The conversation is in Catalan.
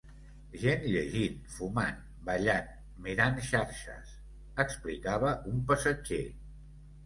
Gent llegint, fumant, ballant, mirant xarxes, explicava un passatger.